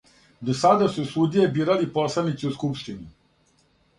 До сада су судије бирали посланици у скупштини.